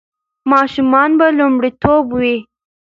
ماشومان به لومړیتوب وي.